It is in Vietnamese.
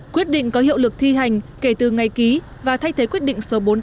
quyết định có hiệu lực thi hành kể từ ngày ký và thay thế quyết định số bốn trăm linh